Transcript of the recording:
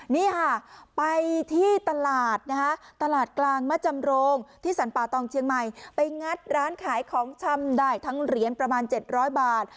นี่ค่ะไปที่ตลาดนะคะตลาดกลางมะจำโรงที่สรรป่าตองเชียงใหม่ไปงัดร้านขายของชำได้ทั้งเหรียญประมาณ๗๐๐บาท